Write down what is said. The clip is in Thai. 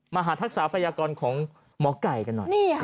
มหาทักษะพยากรของหมอไก่กันหน่อย